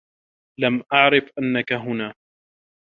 لم أعرف أنّكِ هنا.